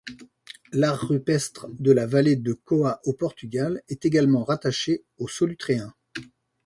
L’art rupestre de la vallée de Coâ au Portugal est également rattaché au Solutréen.